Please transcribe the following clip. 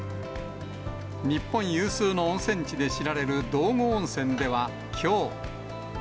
日本有数の温泉地で知られる道後温泉ではきょう。